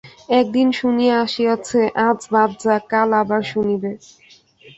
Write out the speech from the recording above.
একদিন শুনিয়া আসিয়াছে, আজ বাদ যাক, কাল আবার শুনিবে।